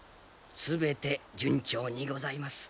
全て順調にございます。